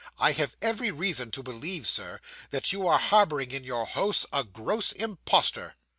I have every reason to believe, Sir, that you are harbouring in your house a gross impostor!